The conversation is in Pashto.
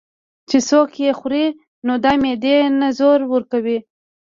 چې څوک ئې خوري نو دا معدې له زور ورکوي